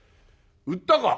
「売ったか？」。